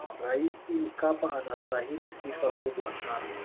raisi mkapa anasitahili sifa kubwa sana